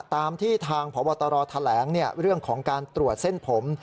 ตามที่ทางพบตรแถลงเรื่องของการตรวจเส้นผม